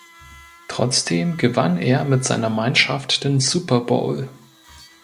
Trotzdem gewann er mit seiner Mannschaft den Super Bowl.